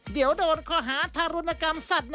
เดี๋ยวโดนข้อหาทารุณกรรมสัตว์